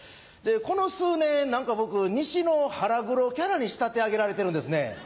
この数年何か僕西の腹黒キャラに仕立て上げられてるんですね。